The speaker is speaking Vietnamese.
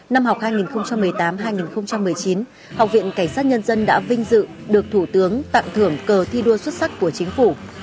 năm học hai nghìn một mươi tám hai nghìn một mươi chín học viện cảnh sát nhân dân đã vinh dự được thủ tướng tặng thưởng cờ thi đua xuất sắc của chính phủ